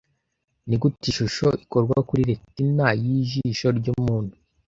Nigute ishusho ikorwa kuri retina yijisho ryumuntu